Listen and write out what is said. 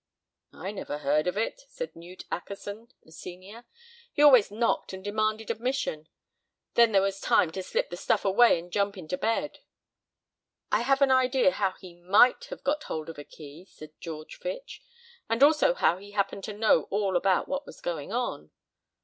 "I never heard of it," said Newt Ackerson, a senior. "He always knocked and demanded admission. Then there was time to slip the stuff away and jump into bed." "I have an idea how he might have got hold of a key," said George Fitch, "and also how he happened to know all about what was going on."